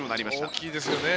大きいですよね。